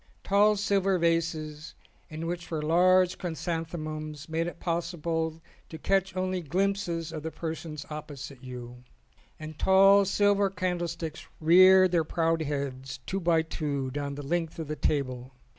Tall silver vases in which were large chrysanthemums made it possible to catch only glimpses of the persons opposite you, and tall silver candlesticks reared their proud heads two by two down the length of the table.